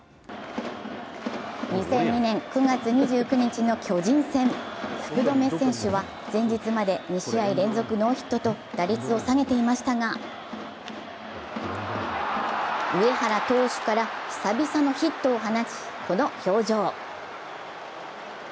２００２年９月の巨人戦、福留選手は前日まで２試合連続ノーヒットと打率を下げていましたが上原投手から久々のヒットを放ちこの表情。